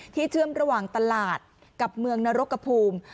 เชื่อมระหว่างตลาดกับเมืองนรกภูมิ